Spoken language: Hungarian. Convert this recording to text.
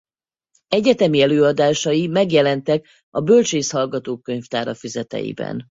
Egyetemi előadásai megjelentek a Bölcsész hallgatók könyvtára füzeteiben.